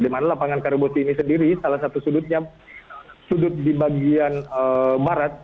di mana lapangan kariboti ini sendiri salah satu sudut di bagian barat